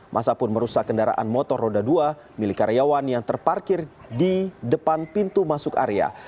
masa pun merusak kendaraan motor roda dua milik karyawan yang terparkir di depan pintu masuk area